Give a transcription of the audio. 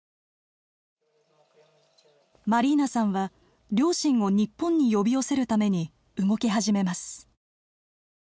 マリーナさんは両親を日本に呼び寄せるために動き始めます。